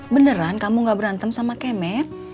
beneran kamu gak berantem sama kemet